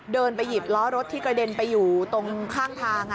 เดินไปหยิบล้อรถที่กระเด็นไปอยู่ตรงข้างทาง